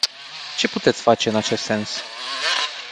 Ce puteți face în acest sens?